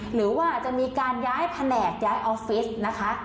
หรือว่าจะมีการย้ายแผนกย้ายออฟฟิศนะคะ